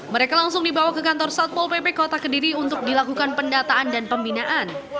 mereka langsung dibawa ke kantor satpol pp kota kediri untuk dilakukan pendataan dan pembinaan